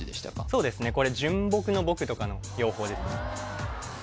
そうですねこれ純朴の「朴」とかの用法ですね